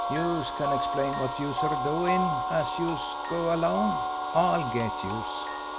Youse can explain wot youse 're doin' as youse goes along. I'll get youse."